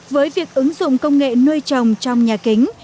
với việc ứng dụng công nghệ nuôi trồng trong nhà kính